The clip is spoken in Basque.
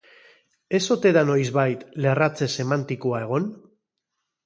Ez ote da noizbait lerratze semantikoa egon?